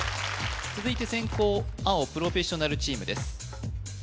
続いて先攻青プロフェッショナルチームです